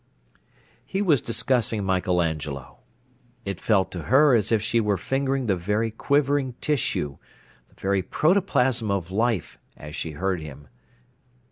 He was discussing Michael Angelo. It felt to her as if she were fingering the very quivering tissue, the very protoplasm of life, as she heard him.